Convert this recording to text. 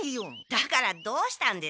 だからどうしたんですか？